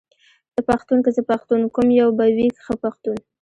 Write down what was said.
ته پښتون که زه پښتون ، کوم يو به وي ښه پښتون ،